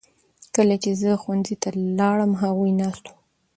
کله چې زه ښوونځي ته لاړم هغوی ناست وو.